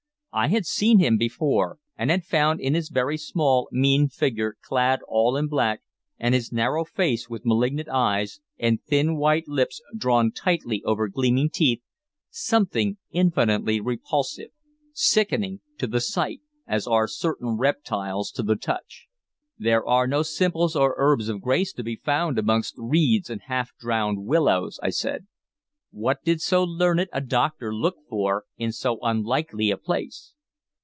I had seen him before, and had found in his very small, mean figure clad all in black, and his narrow face with malignant eyes, and thin white lips drawn tightly over gleaming teeth, something infinitely repulsive, sickening to the sight as are certain reptiles to the touch. "There are no simples or herbs of grace to be found amongst reeds and half drowned willows," I said. "What did so learned a doctor look for in so unlikely a place?"